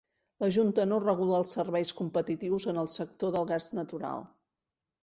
La Junta no regula els serveis competitius en el sector del gas natural.